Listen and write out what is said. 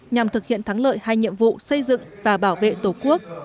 nhằm thực hiện thắng lợi hai nhiệm vụ xây dựng và bảo vệ tổ quốc